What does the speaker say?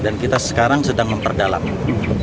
dan kita sekarang sedang memperdagangnya